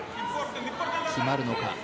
決まるのか。